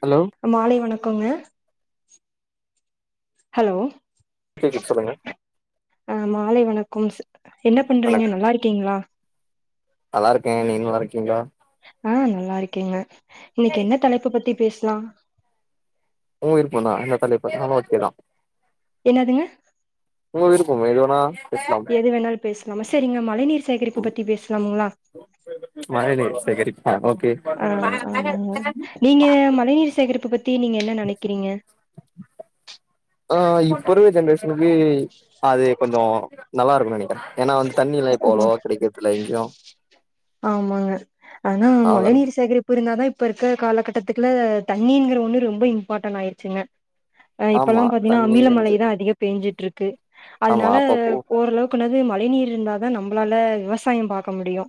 Hello மாலை வணக்கோங்க hello கேக்குது சொல்லுங்க ஆ மாலை வணக்கம்ஸ் என்ன பண்றீங்க நல்லா இருக்கீங்ளா நல்லாருக்கே நீங்க நல்லா இருக்கீங்ளா ஆ நல்லா இருக்கேங்க இன்னைக்கி என்ன தலைப்பு பத்தி பேச்லா உங்க விருப்போதா எந்த தலைப்பு எதுவாருந்தாலு ஓகேதா என்னாதுங்க உங்க விருப்பம் எது வேணா பேசலாம் எது வேணாலு பேச்லாமா சேரிங்க மழை நீர் சேகரிப்பு பத்தி பேசலாமுங்ளா மழை நீர் சேகரிப்பா ஓகே ஆ ஆமாங்க நீங்க மழை நீர் சேகரிப்பு பத்தி நீங்க என்ன நெனைக்கிறீங்க ஆ இப்ப இருக்ற ஜென்ரேஷனுக்கு அது கொஞ்சோ நல்லா இருக்குனு நெனைக்கிறே ஏனா வந்து தண்ணி எல்லா இப்போலோ அவ்ளோவா கெடைக்றது இல்ல எங்கையு ஆமாங்க ஆனா மழை அத நீர் சேகரிப் பு இருந்தாதா இப்ப இருக்க காலகட்டத்துக்ல தண்ணிங்ற ஒன்னு ரொம்ப இம்ப்பார்டன் ஆயிடுச்சுங்க ஆ இப்பெல்லா ஆமா பாத்திங்ன்னா தண்ணி அமில வந்து மழைதா அதிக பேஞ்சிட்ருக்கு ஆமா அதனால அப்பப்போ ஓரளவுக்குனாது மழ மழை நீர் இருந்ததா நம்ளால விவசாயோ பாக்க முடியு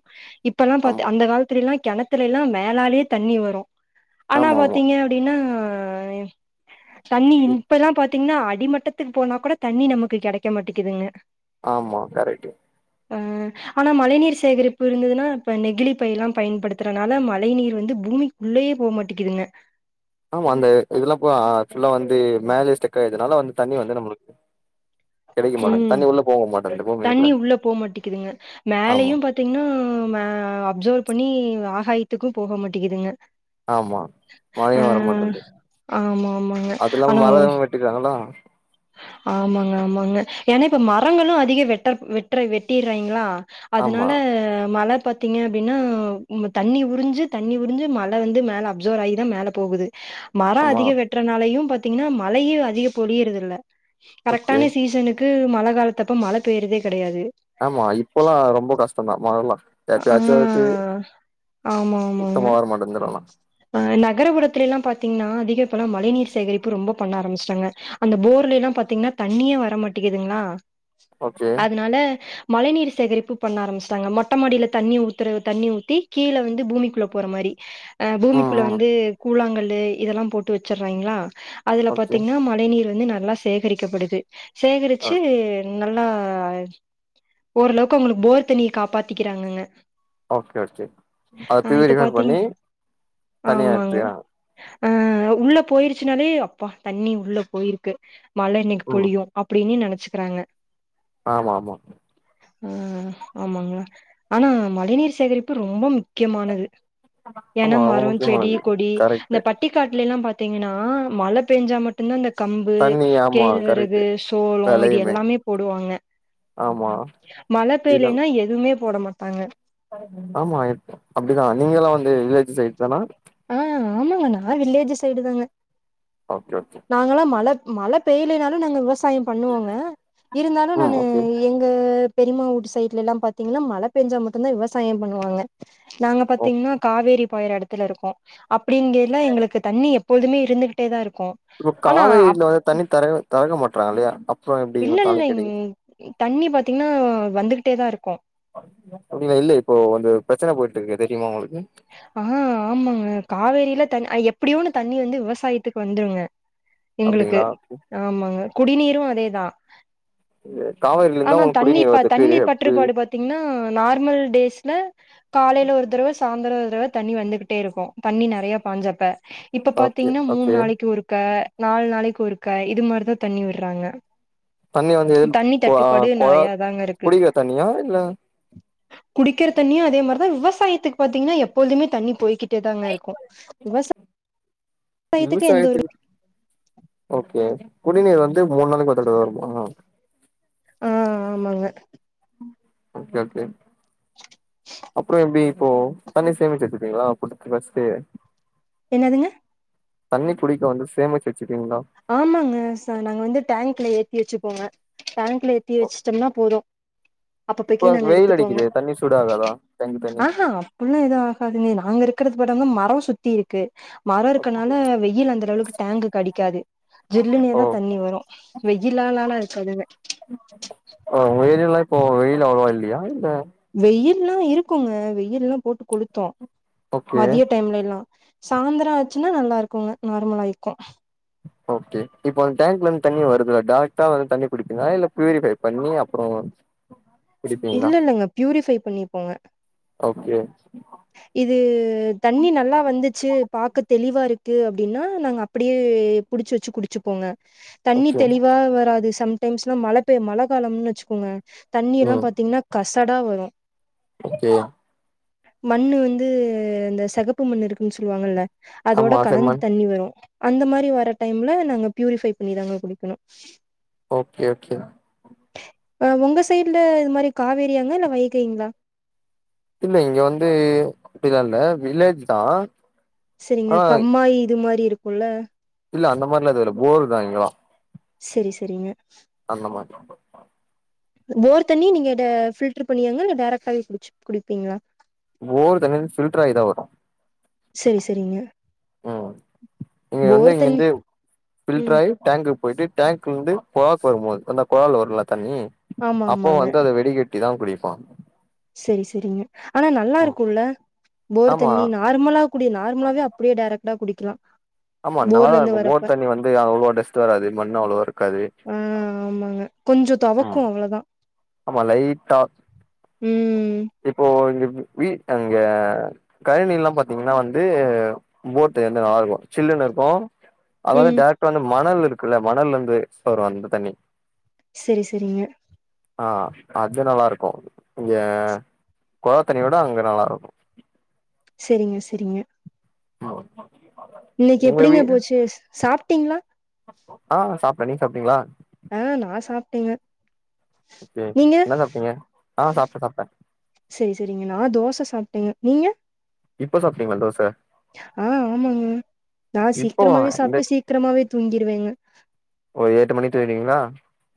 இப்பெல்லா பாத்து ஆமா அந்த காலத் திலல்லா கெணத்துலல்லாலா மேலாலியே தண்ணி வரு ஆனா ஆமா ஆமா பாத்திங்க அப்டின்னா [unintelligible] தண்ணி இப்பெல்லா பாத் பாத்திங்ன்னா அடிமட்டத்துக்கு போனா கூட தண்ணி நமக்கு கெடைக்க மாட்டேக்குதுங்க ஆமா கரெட்டு ப ஆனா மழை நீீர் சேகரிப்பு இருந்துதுன்னா இப்ப நெகிழிப்பைலா பயன்படுத்துறனால மழை நீர் வந்து பூமிக் குள்ளெயே போ மாட்டக்கிதுங்க ஆமா அந்த இதெல்லா போகா ஆ ஃபுல்லா வந்து மேலே ஸ்டெக் ஆயிறதுனால வந்து தண்ணி வந்து நம்மளுக்கு கெடைக்க மாட்டேங்குது ம் தண்ணி உள்ள போக மாட்டேங்குது தண்ணி பூமிக்குள்ள உள்ள போ மாட்டக்கிதுங்க ஆமா மேலையு பாத் தீங்னா ம அப்சர்வ் பண்ணி ஆகாயத்துக்கூ போக மாட்டக்கிதுங்க ஆமா மழையு வரமாட்டந்து ஆமா ஆமாங்க அது இல்லாம ஆனா ஒ மலவு வெட்டிக்காங்களா ஆமாங்க ஆமாங்க ஏனா இப்ப மரங்களு அதிக வெட்டர் வெட்ற வெட்டிறாய்ங்களா அதுனால ஆமா மழ பாத் தீங்க அப்டின்னா ம் தண்ணி உறிஞ்சு தண்ணி உறிஞ்சு மழ வந்து மேல அப்சோர் ஆகிதா மேல போகுது மரொ ஆமா அதிக வெட்டுறனாலயு பாத்தீங்னா மழையு அதிக பொழியறதில்ல ஓகே கரெக்டான சீசனு க்கு மழ காலத்தப்ப மழ பேய்றதே கெடையாது ஆமா இப்பல்லா ரொம்ப கஷ்டந்தா மழலா ஆ எப்பயாச்சு வருது சுத்தமா வரமாட்டன்து இந்தடலா அ நகரபுரத்துலல்லா பாத்தீங்னா அதிக இப்பல்லா மழை நீர் சேகரிப்பு ரொம்ப பண்ண ஆரமிச்சுட்டாங்க அந்த போர்லெலா பாத்தீங்ன்னா தண்ணியே வர மாட்டேக்கிதுங்ளா ஓகே அதுனால மழை நீர் சேகரிப்பு பண்ண ஆரமிச்சுட்டாங்க மொட் டமாடில தண்ணி ஊத்துற தண்ணி ஊத்தி கீழ வந்து பூமிக்குள்ள போற மாரி அ ம் பூமிக்குள்ள ம் வந்து கூழாங்கல்லு இதெல்லா போட்டு வச்சிர்றாங்களா அதுல ஓகே பாத்தீங்னா மழை நீர் வந்து நல்லா சேகரிக்கப்படுது அ சேகரிச்சு நல்லா ஓரளவுக்கு ஒங்களுக்கு போர் தண்ணிய காப்பாத்திக்கிறாங்கங்க ஓக்கேச்சு அத ஆ இப்ப பீயூரிஃபைர் பாத்தீங் பண்ணி தனியா ஆமாங்க எடுத்துகாங்க ஆ உள்ள போயிருச்சுனாலே அப்பா தண்ணி உள்ள போயிருக்கு மழ இன்னைக்கு ம் பொழியு அப்டின்னு நெனச்சுகிறாங்க ஆமா ஆமா ஆ ஆமாங்க ஆனா மழைநீர் சேகரிப்பு ரொம்ப முக்யமானது ஆமா ஏனா ரொம்ப மரோ செடி முக்கியமானது கொடி இந்த கரெக்ட்டு பட் டிக்காட்லலா பாத்தீங்கன்னா மழ பேஞ்சா மட் டுந்தா இந்த கம்பு தண்ணி ஆமா கரெக்ட்டு கேழ்வரகு சோளோ இது வெலையுமே எல்லாமே போடுவாங்க ஆமா மழ இதா பேய்லேன்னா எதுமே போட மாட்டாங்க ஆமா எ அப்டிதா நீங்கல்லா வந்து வில்லேஜ் சைட் தானா ஆ ஆமாங்க நா வில்லேஜு சைடு தாங்க ஓக்கே ஒக்கே நாங்கலா மழப் மழ பெய்யலேனாலு நாங்க விவசாயம் பண்ணுவோங்க இருந்தாலு ம் நானு ஓகே எங் க பெரியம்மா வூட்டு சைட்லலா பாத்தீங்கனா மழ பெஞ்சா மட்டுந்தா விவசாயம் பண்ணுவாங்க நாங்க ஓ பாத்தீங்ன்னா காவேரி பாய்ற எடத்துல இருக்கோ அப்டிங்கைல எங்களுக்கு தண்ணி எப் போதுமே இருந்துகிட்டேதா இருக்கூ இப்ப காவேரினாலே தண்ணி தெற தெறக்க மாட்றாங்லே அப் இல்லல்ல இங் தண்ணி பாத்தீங்ன்னா வந்துகிட்டேதா இருக்கூ அப்டிங்களா இல்லே இப்போ வந்து பிரெச்சன போயிட்டுருக்கே தெரியுமா உங்களுக்கு ஆ ஆமாங்க காவேரியில தண் அ எப்புடியோனு தண்ணி வந்து விவசாயத்துக்கு வந்துருங்க எங்களுக்கு அப்டிங்களா ஆமாங்க குடிநீரூ அதேதா ம் காவேரி ஆனா தண்ணி ப தண்ணிர் பட்றுப்பாடு பாத்தீங்னா நார்மல் டேஸ்ல காலைல ஒரு தரவ சாந்திர ஒரு தரவ தண்ணி வந்துகிட்டே இருக்கு தண்ணி நெறைய பாஞ்சப்ப இப்ப ஓகே பாத்தீங்னா மூண் ஓகே நாளக்கி ஒருக்க நால் நாளக்கி ஒருக்க இது மாரிதா தண்ணி விர்றாங்க தண்ணி வந்து கொ ஆ கொழா நெறையா தாங்க இருக்கு குடிக்கிற தண்ணியா இல்ல குடிக்கிற தண்ணியு அதே மாரீதா விவசாயத்துக் பாத்தீங்னா எப்பொழ்துமே தண்ணி போய்கிட் டுதாங்க இருக்கு விவசா விவசாயத்துகு ஓகே குடிநீர் வந்து மூண் நாளக்கி ஒ தடவ வருமா ஆ ஆமாங்க ஒகே ஒகே அப்றொ எப்டி ஓ தண்ணி சேமிச்சு வச்சிப்பீங்ளா [unintelligible] என்னதுங்க தண்ணி குடிக்க வந்து சேமிச்சு வச்சுப்பீங்ளா? ஆமாங்க ச நாங்க வந்து டேங்க்ல ஏத்தி வச்சுப்போங்க டேங்க்ல ஏத்தி வச்சுட்டம்னா போது அப்பப்பக்கி இப்போ நாங்க வெயில் எடுத்துப்போங்க அடிக்குது தண்ணி சூடாகாதா டேங்க் தண்ணி அ ஹா அ ப்புல்லா எது ஆகாதுங்க நாங்க இருக்கறது பாட்டங்னா மரொ சுத்தி இருக்கு மரொ இருக்கனால வெயில் அந்த லெவலுக்கு டேங்குகு அடிக்காது ஓ ஜில்லுனேதா தண்ணி வரு வெயிலாலாலா இருக்காதுங்க ஓ ஒங்க ஏரியால்லா இப்போ வெயில் அவ்ளவா இல்லியா இல்ல வெயில்லா இருக்குங்க வெயில்லா போட்டு கொளுத்தூ ஓகே மதிய டைம்லயல்லா சாந்திர ஆச்சுன்னா நல்லா இருக்குங்க நார்மலாயிக்கு ஓகே இப்ப அந் டேங்க்லந்து தண்ணி வருதுல்ல டாரக்ட்டா வந்து தண்ணி புடிப்பிங்ளா இல்ல பியூரிஃபை பண்ணி அப்றோ இல்லெல்லங்க பியூரிஃபை பண்ணிப்போங்க ஓகே இது தண்ணி நல்லா வந்துச்சு பாக்க தெளிவா இருக்கு அப்டின்னா நாங்க அப்புடியே புடுச்சு வச்சு குடிச்சுப்போங்க தண்ணி ஓகே தெளிவா வராது சம்டைம்ஸ்லா மழ பெ மழ காலம்னு வச்சுக்கோங்க தண்ணி எல்லா ம் பாத்தீங்னா கசடா வரு ஓகே மண்ணு வந்து அந்த செகப்பு மண் இருக்குன் சொல்வாங்கல்ல ஆமா அதோட கலந்து செம்மண் தண்ணி வரு அந்த மாரி வர டைம்ல நாங்க பியூரிஃபை பண்ணிதாங்க குடிக்கனு ஓகே ஓகே அ ஒங்க சைட்ல இது மாரி காவேரியாங்க இல்ல வைகைங்ளா இல்ல இங்க வந்து அப்டிலா இல்ல வில்லேஜ் தா செரிங்க ஆனா கம்மாய் இது மாரி இருக்குல்ல இல்ல அந்த மார்லா எதுவுல்ல போர்தா இங்கலா செரி செரிங்க அந்த மாரி போர் தண்ணி நீங்க டே ஃபில்ட்ரு பண்ணியாங்க இல்ல டேரக்டாவே குடிச்சு குடிப்பீங்களா? போர் தண்ணி வந்து ஃபில்ட்ராயி தா வரு செரி செரிங்க ம் இங்க வந்து போர் தண்ணி இங்கெந்து ம் ஃபில்ட்ராயி டேங்க்குக் போயிட்டு டேங்க்லெந்து பொழாக்கு வரும்மோது அந்த கொழால வருல்ல தண்ணி ஆமா அப்போ ஆமாங்க வந்து அத வெடிகட்டி தா குடிப்பா செரி செரிங்க ஆனா நல்லா இருக்குல்ல போர் ஆமா தண்ணி நா நார்மலா குடி நார்மலாவே அப்டியே டேரக்டா குடிக்கலா ஆமா போர்ல நல்லாதா இருந்து இருக்கு வரப்ப போர் தண்ணி வந்து அவ்ளோ டஸ்ட் வராது மண்ணு அவ்ளவா இருக்காது ஆ ஆமாங்க கொஞ்சொ தொவக்கு அவ்ளதா ஆமா லைட்டா ம் இப்போ இங்க வீ அங்க களனி எல்லா பாத்தீங்கன்னா வந்து போர்த் தண்ணி நல்லா இருக்கு சில்லுன்னு இருக்கு அது வந்து ம் டேரக்ட்டா வந்து மணல் இருக்குல்ல மணல் இருந்து வரு அந்த தண்ணி செரி செரிங்க ஆ அது நல்லா இருக்கு இங்க கொழா தண்ணிய விட அங்க நல்லா இருக்கு செரிங்க செரிங்க இன்னக்கி உங்க வீ எப்டிங்க போச்சி சாப்ட்டீங்களா ஆ சாப்டே நீங்க சாப்ட்டீங்களா ஆ நா சாப்ட்டேங்க ஓகே நீங்க என்ன பண்றீங்க ஆ சாப்ட்டே சாப்ட்டே செரி செரிங்க நா தோச சாப்ட்டேங்க நீங்க இப்ப சாப்ட்டீங்களா தோச ஆ ஆமாங்க நா இப்பவா சீக்கிரமாவே இந்த சாப்ட்டு சீக்கிரமாவே தூங்கிருவேங்க ஒரு எட்டு மணிக்கி தூங்கிடுவீங்களா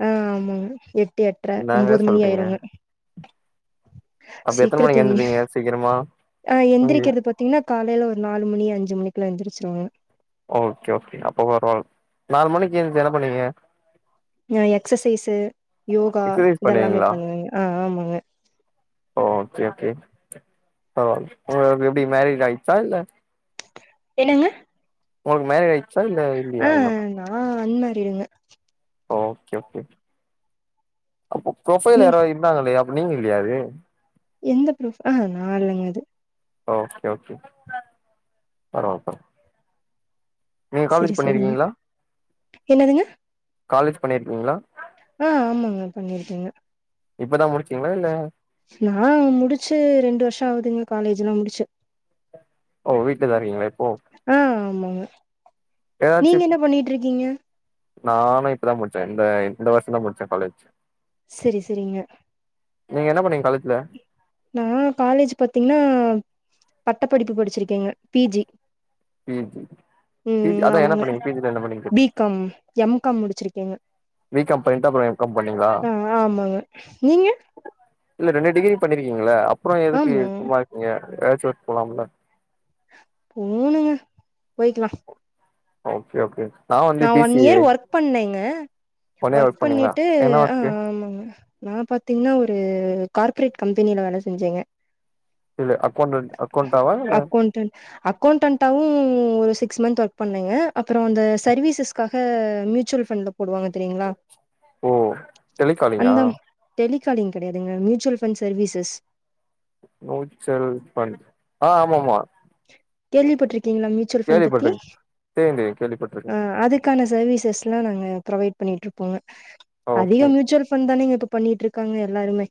ஆ ஆமாங்க எட்டு எட்ரை ஒம்போது மணி சொல்றீங்க ஆயிருங்க அப்ப எத்தன சீக்கரோ மணிக்கு தூங்கி எந்துப்பீங்க சீக்கிரமா ஆ தூங்கி எந்திரிக்கிறது பாத் தீங்கன்னா காலேல ஒரு நாலு மணி அஞ்சி மணிக்குல்லா எந்ச்சிருவேங்க ஓகே ஓகே அப்ப பரவால்லா நாலு மணிக்கி எந்திச்சி என்ன பண்ணுவீங்க நா எக்சசைஸ்ஸு யோகா எக்சசைஸ் இதெல்லாமே பண்ணுவேங்க ஆ ஆமாங்க ஓ ஓகே ஓகே பரவால்ல உங்களுக்கு எப்டி மேரேஜ் ஆயிர்ச்சா இல்ல என்னங்க உங்களுக்கு மேரேஜ் ஆயிர்ச்சா இல்ல இல்லியா ஆ இன்னு நா அன் மேரிட்டுங்க ஓகே ஓகே அப்ப ப்ரொபைல் ம் யாரோ இருந்தாங்களே அப்ப நீங்க இல்லையா அது எந்த ப்ரொஃப் ஆ நா இல்லங்க அது ஓகே ஓகே பரவால்ல பர நீங்க காலேஜ் செரி செரிங்க பண்ணிருக்கீங்களா என்னதுங்க காலேஜ் பண்ணிருக்கீங்களா ஆ ஆமாங்க பண்ணிருக்கேங்க இப்பதா முடிச்சீங்களா இல்ல நா முடிச்சி ரெண்டு வருஷோ ஆகுதுங்க காலேஜ்லா முடிச்சி ஓ வீட்டுலதா இருக்கீங்களா இப்போ ஆ ஆமாங்க ஏதாச்சு நீங்க என்ன பண்ணிட்டு இருக்கீங்க நானு இப்பதா முடிச்சே இந்த இந்த வருஷந்தா முடிச்சே காலேஜ் செரி செரிங்க நீங்க என்ன பண்ணீங்க காலேஜ்ல நா காலேஜ் பாத்திங்னா பட்ட படிப்பு படிச்சிருக்கேங்க பிஜி ம் பிஜி அதா என்ன பண்ணீங்க பிஜில என்ன பண்ணிங்க கேட்ட கம் எம் கம் முடிச்சிருக்கேங்க பி காம் பண்ணிட்டு அப்புறம் எம் காம் பண்ணீங்களா ஆ ஆமாங்க நீங்க இல்ல ரெண்டு டிகிரி பண்ணிருக்கிங்கள அப்றோ எதுக்கு ஆமா சும்மா இருக்கீங்க ஏதாச்சு ஒர்க் போலாம்ல போணுங்க போய்க்லா ஓகே ஓகே நான் வந்து நா பி ஒன் சி இயர் ஏ ஒர்க் பண்ணேங்க ஒன் இயர் ஒர்க் பண்ணீங்களா பண்ணிட்டு என்ன ஆ ஒர்க்கு ஆமாங்க நா பாத்திங்ன்னா ஒரு கார்ப்ரேட் கம்பெனியில வேல செஞ்சேங்க இல்ல அக்கவுண்டென்ட் அக்கவுண்டாவா ம் அக்கவுண்டென்ட்டாவு ஒரு சிக்ஸ் மன்த் ஒர்க் பண்ணேங்க அப்பறோ இந்த சர்வீசஸ்காக மியூச்சுவல் ஃபண்ட்ல போடுவாங்க தெரியுங்களா ஓ டெலிகாலிங்கா அந்த டெலிகாலிங் கடையாதுங்க மியூச்சுவல்ஃபண்ஸ் சர்வீசஸ் நூச்சல் ஃபண் ஆ ஆமா ஆமா கேள்விப்பட்டிருக்கிங்களா மியூச்சுவல் ஃபண்ட் பத்தி கேள்விப்பட்டிருக்கேன் தெரியும் தெரியும் அ கேள்விப்பட்டிருக்கேன் அதுக் க்கான சர்வீசஸ்லா நாங்க ப்ரெவைட் பண்ணிட்ருப்போங்க ஓகே அதிகம் மியூச்சுவல் ஃபண்ட் தானங்க பண்ணிட்ருக்காங்க எல்லாருமே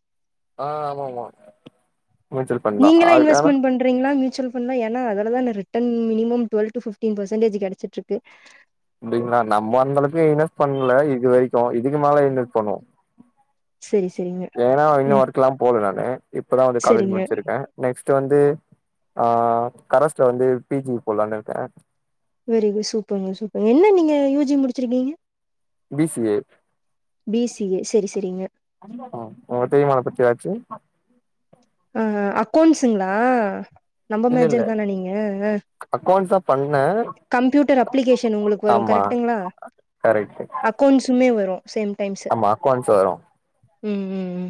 ஆ ஆமா ஆமா மியூச்சுவல் ஃபண்ட் தா அதுக் ஆனா ரிங்ளா மியூச்சுவல்னா ஏனா அதுல தான return minimum twelve to fifteen percentage கேச்சட்ருக்கு அப்டிங்களா நம்ம அந்தளவுக்கு இன்வெஸ் பண்ல இது வரைக்கு இதுகு மேல இன்வெஸ் பண்ணுவோ சரி சரிங்க நேரா இன்னு ஒர்க்ல்லா போல நானு இப்பதா வந்து காலேஜ் செரிங்க முடிச்சிருக்க நெக்ஸ்ட்டு வந்து ஆ கரஸ்ல வந்து பிஜி போட்லான்னு இருக்க வெரி குட் சூப்பருங்க சூப்பருங்க என்ன நீங்க யூ ஜி முடிச்சிருக்கிங்க B C A B C A செரி செரிங்க ஆ உங்க தெரிமா அத பத்தி ஏதாச்சு ஆ அக்கௌண்ட்ஸிங்ளா நம்ப இல்ல இல்ல மேஜர் தான நீங்க அக்கௌண்ட்ஸ் தா பண்ண கம்ப்யூட்டர் அப்ளிகேஷன் உங்களுக்கு ஆமா கரெட்டு கோண்ட்ஸ்சுமே வரு சேம் டைம்சு வரு ம் ம் ம்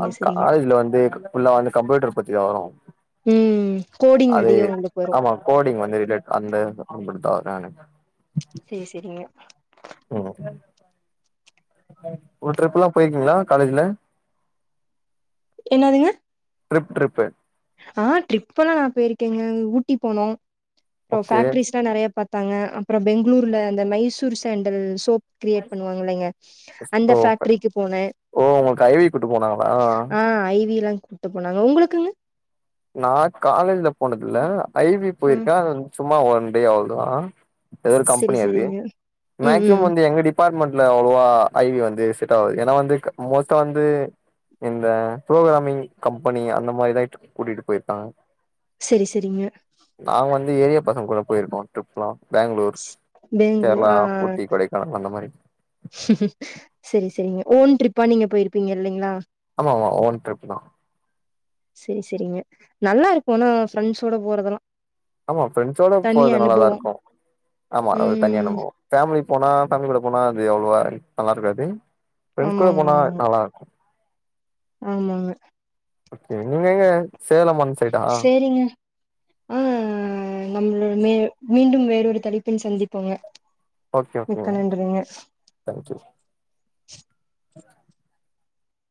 ஆ செரிங்க காலேஜ்ல வந்து ஃபுல்லாவே கம்ப்யூட்டர் பத்தி தா வரு ம் கோடிங் அது அதிக உங்களுக்கு வரு ஆமா கோடிங் வந்து ரிலேட் அந்த அப்டி தா வரு எனக் சே சேரிங்க ம் ட்ரிப்லா போயிருக்கிங்ளா காலேஜ்ல என்னாதுங்க ட்ரிப் ட்ரிப்பு ஆ ட்ரிப்பலா நா போய்ருகேங்க ஊட்டி போனோ அப்றோ ஓகே ஃபேக்ட்ரிஸ்லா நெறைய பாத் தங்க அப்றோ பெங்ளூர்ல அந்த மைசூர் சேண்டல் சோப் க்ரியேட் பண்ணுவாங்லைங்க அந்த ஓ ஃபேக்ட்ரிக்கு போனே ஓ ஒங்கள்கு ஐ வி கூட்டு போனாங்களா ஆ ஐ வி லா கூப்ட்டு போனாங்க உங்களுக்குங்க நா காலேஜ்ஜில போனதுல்ல ஐ வி ஆ போய்ருக்க அது வந் சும்மா ஒன் டே அவ்ள்தா ஏதோ ஒரு செரி கம்பெனி அது செரிங்க ம் மேக்சிம ம் வந்து எங்க டிப் பாட்மண்ட்ல அவ்ளோவா ஐ வி வந்து செட் ஆவாது ஏனா வந்து க மோஸ்ட்டா வந்து இந்த புரோகிராமிங் கம்பெனி அந்த மாரி ஏதாச்சு கூட்டிட்டு போயிருபாங்க சேரி சேரிங்க நாங்க வந்து ஏரியா பசங்க கூட போயிருப்போ ட்ரிப்லா பேங்ளூர் பெங்களூர் கேரளா ஊட்டி கொடைக்கானல் அந்த மாரி சரி சரிங்க ஓன் ட்ரிப்பா நீங்க போயிருப்பீங்க இல்லைங்ளா ஆமா ஆமா ஒன் ட்ரிப் தா சேரி சேரிங்க நல்லாருக்கு ஆனா ஃப்ரெண்ட்ஸோட போறதெல்லா ஆமா ஃப்ரெண்ட்ஸோட தனி போறது நல்லாதா அனுபவோ இருக்கு ஆமா அது ஒரு தனி ம் அனுபவோ ஃபேமிலி போனா ஃபேமிலி கூட போனா அது அவ்ளோவா நல்லா இருக்காது ஃப்ரெண்ட்ஸ் கூட ஆமாங்க போனா ஆமாங்க நல்லாருக்கு ஆமாங்க ஓகே நீங்க எங்க சேலம் பண் சேரிங்க அ நம்ள மே மீண்டும் வேறொரு தலைப்பில் சந்திப்போங்க ஓகே ஓகே மிக்க நன்றிங்க தேங்க் யூ